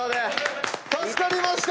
助かりました！